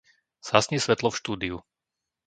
Zhasni svetlo v štúdiu.